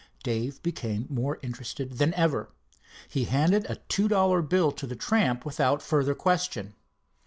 Dave became more interested than ever. He handed a two dollar bill to the tramp without further question.